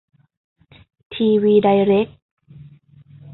ทีวี ไดเร็ค